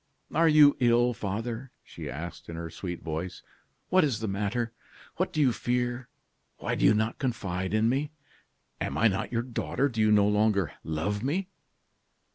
"Are you ill, father?" she asked, in her sweet voice; "what is the matter? What do you fear? Why do you not confide in me? Am I not your daughter? Do you no longer love me?"